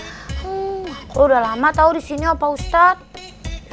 aku udah lama tau disini bapak ustadz